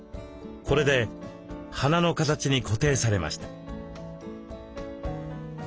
これで花の形に固定されました。